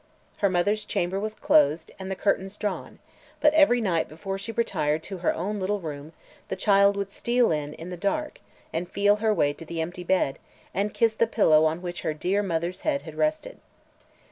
Her mother's chamber was closed and the curtains drawn, but every night before she retired to her own little room the child would steal in, in the dark, and feel her way to the empty bed and kiss the pillow on which her dear mother's head had rested.